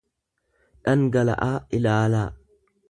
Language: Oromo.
dhangaggaa'aa ilaalaa.